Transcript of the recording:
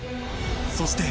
そして